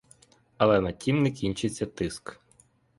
Але на тім не кінчиться тиск.